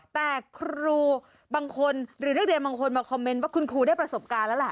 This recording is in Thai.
แต่ครูบางคนหรือนักเรียนบางคนมาคอมเมนต์ว่าคุณครูได้ประสบการณ์แล้วล่ะ